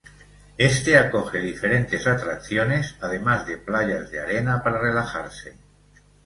Este acoge diferentes atracciones, además de playas de arena para relajarse.